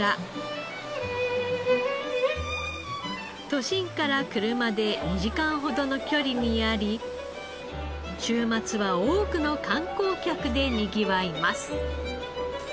都心から車で２時間ほどの距離にあり週末は多くの観光客でにぎわいます。